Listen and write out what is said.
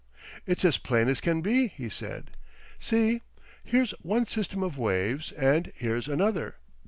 "It's as plain as can be," he said. "See, here's one system of waves and here's another!